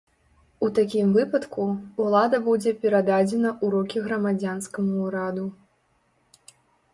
У такім выпадку, улада будзе перададзена ў рукі грамадзянскаму ўраду.